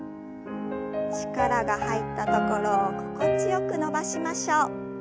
力が入ったところを心地よく伸ばしましょう。